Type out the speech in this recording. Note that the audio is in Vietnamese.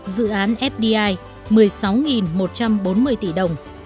dự án fdi một mươi sáu một trăm bốn mươi tỷ đồng